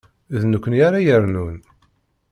D nekkni ara yernun.